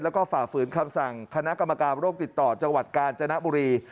แล้วก็ฝ่าฝืนคำสั่งคณะกรรมการโรคติดต่อจังหวัดกาญจนบุรี